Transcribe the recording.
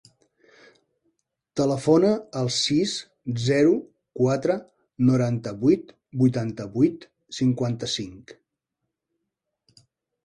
Telefona al sis, zero, quatre, noranta-vuit, vuitanta-vuit, cinquanta-cinc.